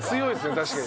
確かに。